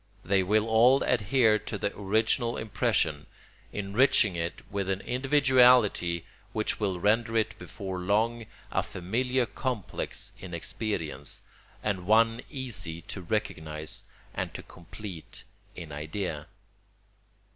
They will all adhere to the original impression, enriching it with an individuality which will render it before long a familiar complex in experience, and one easy to recognise and to complete in idea.